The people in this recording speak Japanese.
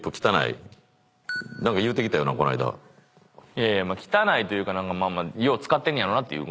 いやいや汚いというかよう使ってんねやろなっていう。